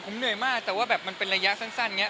ผมเหนื่อยมากแต่มันเป็นระยะสั้นแบบอันนี้